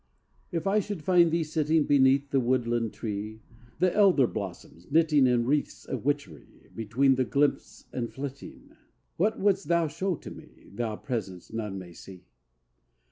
II If I should find thee sitting Beneath the woodland tree, The elder blossoms knitting In wreaths of witchery, Between the glimpse and flitting, What wouldst thou show to me, Thou presence none may see?